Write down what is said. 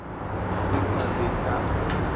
Pe ka ve takpo.